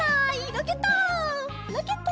ロケット！